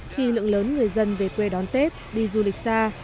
khi lượng lớn người dân về quê đón tết đi du lịch xa